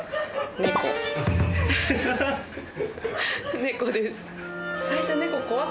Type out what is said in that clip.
「猫」です。